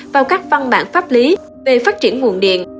vào các văn bản pháp lý về phát triển nguồn điện